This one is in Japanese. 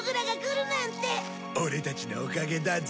オレたちのおかげだぞ。